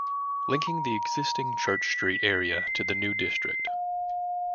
Linking the existing Church Street area to the new district.